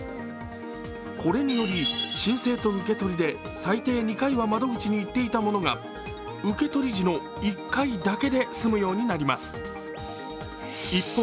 これにより申請と受け取りで最低２回は窓口に行っていたものが受け取り時の１回だけで済むようになります。